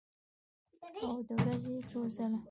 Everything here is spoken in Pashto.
هو، د ورځې څو ځله